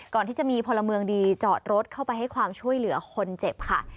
ก่อนที่จะมีพลเมืองดีจอดรถเข้าไปให้ความช่วยเหลือคนเจ็บค่ะ